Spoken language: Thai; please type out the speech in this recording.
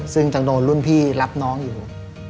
ซึ่งยังโดนรุ่นพี่รับน้องอยู่